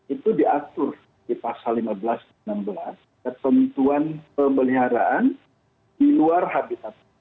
itu diatur di pasal lima belas enam belas ketentuan pemeliharaan di luar habitat